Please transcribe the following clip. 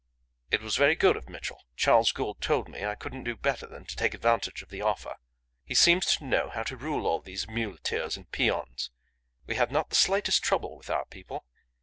It was very good of Mitchell. Charles Gould told me I couldn't do better than take advantage of the offer. He seems to know how to rule all these muleteers and peons. We had not the slightest trouble with our people.